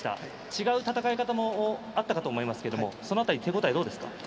違う戦い方もあったかとは思いますが手応えでどうですか？